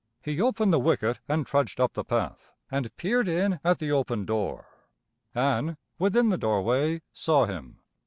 He opened the wicket and trudged up the path, and peered in at the open door. Ann, within the doorway, saw him.